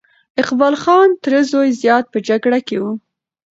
اقبال خان تر زوی زیات په جګړه کې وو.